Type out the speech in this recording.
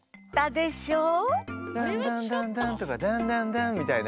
ダンダンダンダンとかダンダンダンみたいな。